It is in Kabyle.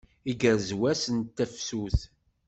Igerrez wass d tafsut.